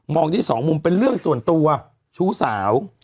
ได้สองมุมเป็นเรื่องส่วนตัวชู้สาว